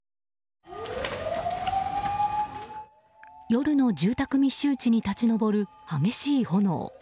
夜の住宅密集地に広がる激しい炎。